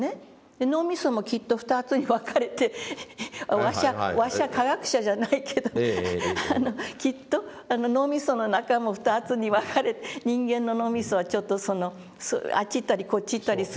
脳みそもきっと２つに分かれて「わしゃ科学者じゃないけどきっと脳みその中も２つに分かれて人間の脳みそはちょっとあっち行ったりこっち行ったりする脳みそ」。